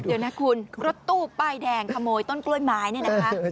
เดี๋ยวนะคุณรถตู้ป้ายแดงขโมยต้นกล้วยไม้เนี่ยนะคะ